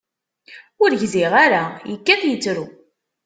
Ur gziɣ kra, ikkat ittru.